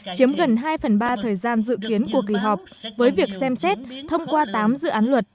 chiếm gần hai phần ba thời gian dự kiến của kỳ họp với việc xem xét thông qua tám dự án luật